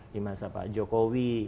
di masa pak jokowi